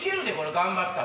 頑張ったら。